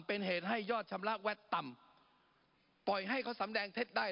เป็นเหตุให้ยอดชำระแวดต่ำปล่อยให้เขาสำแดงเท็จได้